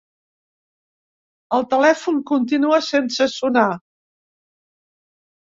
El telèfon continua sense sonar.